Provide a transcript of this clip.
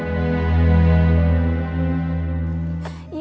biar saya menggali kuburan anak saya